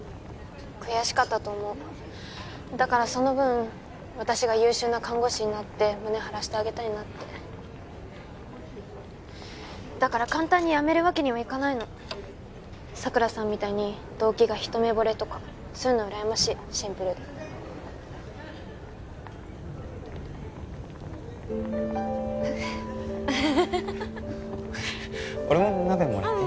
悔しかったと思うだからその分私が優秀な看護師になって胸張らしてあげたいなってだから簡単に辞めるわけにはいかないの佐倉さんみたいに動機が一目ぼれとかそういうのうらやましいシンプルでアハハ俺も鍋もらっていい？